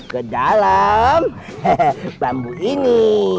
ke dalam bambu ini